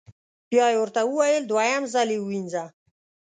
بیا یې ورته وویل: دویم ځل یې ووینځه.